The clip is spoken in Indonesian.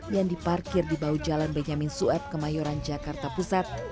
yang diparkir di bawah jalan benyamin sueb ke mayoran jakarta pusat